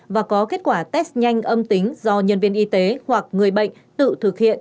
và có kết quả test nhanh âm tính do nhân viên y tế hoặc người bệnh tự thực hiện